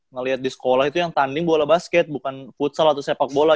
ngelihat di sekolah itu yang tanding bola basket bukan futsal atau sepak bola